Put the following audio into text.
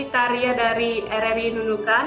karya dari rari nunukan